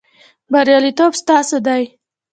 بریالیتوب ستاسو دی